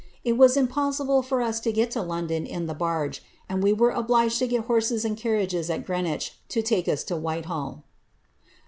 Jt was impossible for us to get to Liondon in the barge, and we were obliged to get horses and carriages at Greenwich to take us to Whitehall."